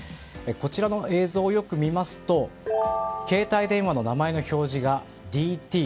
こちらの映像をよく見ますと携帯電話の名前の表示が、ＤＴ。